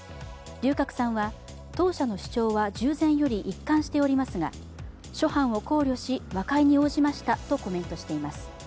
龍角散は、当社の主張は従前より一貫しておりますが諸般を考慮し、和解に応じましたとコメントしています。